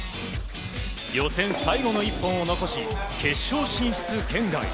予選最後の１本を残し決勝進出圏外。